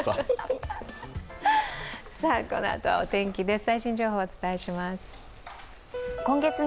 このあとはお天気です。